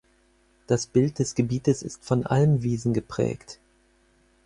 Das Bild des Gebietes ist von Almwiesen geprägt.